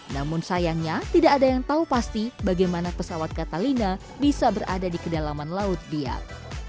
namun sayangnya tidak ada yang tahu pasti bagaimana pesawat catalina bisa berada di kedalaman laut biak